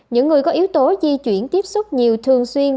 những người có yếu tố di chuyển tiếp xúc nhiều thường xuyên